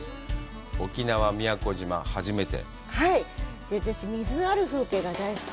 沖縄・宮古島、初めて？